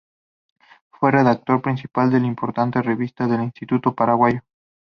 Fue redactor principal de la importante "Revista del Instituto Paraguayo".